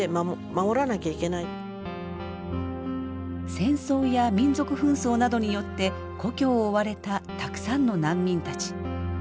戦争や民族紛争などによって故郷を追われたたくさんの難民たち。